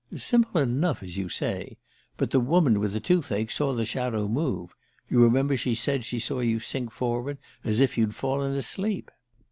"Simple enough, as you say. But the woman with the toothache saw the shadow move you remember she said she saw you sink forward, as if you'd fallen asleep."